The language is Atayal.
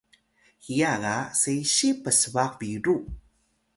hiya ga sesiy psbaq biru